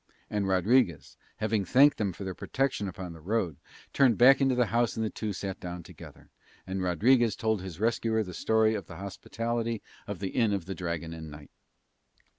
And Rodriguez, having thanked them for their protection upon the road, turned back into the house and the two sat down together, and Rodriguez told his rescuer the story of the hospitality of the Inn of the Dragon and Knight.